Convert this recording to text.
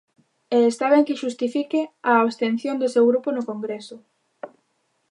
E está ben que xustifique a abstención do seu grupo no Congreso.